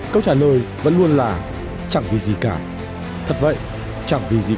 câu trả lời vẫn luôn là chẳng vì gì cả thật vậy chẳng vì gì